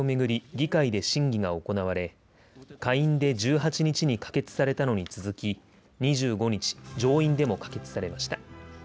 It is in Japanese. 議会で審議が行われ下院で１８日に可決されたのに続き２５日、上院でも可決されました。